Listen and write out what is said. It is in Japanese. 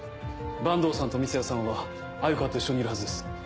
板東さんと三ツ矢さんは鮎川と一緒にいるはずです。